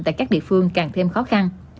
tại các địa phương càng thêm khó khăn